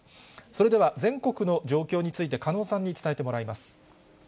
それでは全国の状況について加納さんに伝えてもらいます。